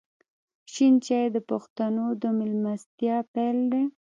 شین چای د پښتنو د میلمستیا پیل دی.